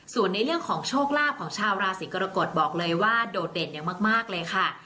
ส่วนในเรื่องของโชคลาภของชาวราศีกรกฎบอกเลยว่าโดดเด่นอย่างมากเลยค่ะ